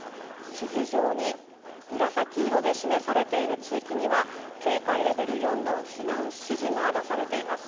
地図上に紫色で示されている地域には、警戒レベル４の避難指示が出されています。